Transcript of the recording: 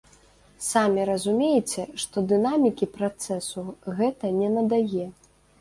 Самі разумееце, што дынамікі працэсу гэта не надае.